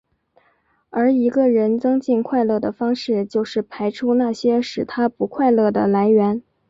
而一个人增进快乐的方式就是排除那些使他不快乐的来源。